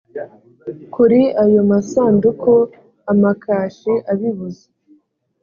kuri ayo masanduku amakashi abibuza